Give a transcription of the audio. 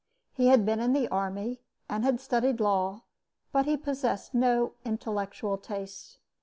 He had been in the army, and had studied law; but he possessed no intellectual tastes.